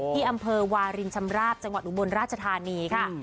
ที่อำเภอวารินชำราบจังหวัดอุบลราชธานีค่ะ